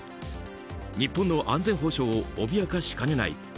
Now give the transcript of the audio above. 日本の安全保障を脅かしかねない